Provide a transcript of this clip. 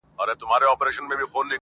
په توره کار دومره سم نسي مگر،